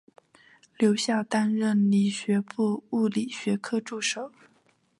留校担任理学部物理学科助手。